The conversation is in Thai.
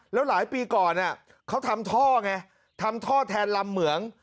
แล้วหลายปีก่อนเขาทำท่อไงทำท่อแทนลำเหมือง